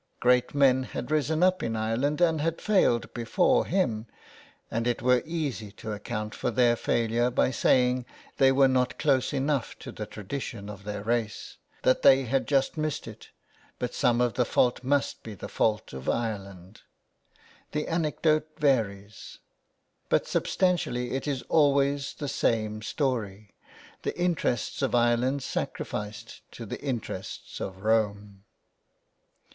Great men had risen up in Ireland and had failed before him, and it were easy to account for their failure by saying they were not close enough to the tradition of their race, that they had just missed it, but some of the fault must be the fault of Ireland. .. The anecdote varies, but substantially it is always the same story : The interests of Ireland sacrificed to the interests of Rome.